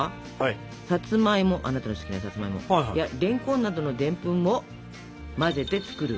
さつまいもあなたの好きなさつまいもやれんこんなどのでんぷんを混ぜて作るものがわらび餅粉。